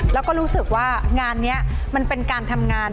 แล้วก็รู้สึกว่างานนี้มันเป็นการทำงาน